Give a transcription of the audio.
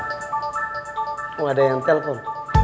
oh ada yang telpon